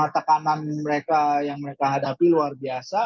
tekanan mereka yang mereka hadapi luar biasa